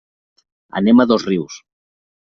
Anem a Dosrius.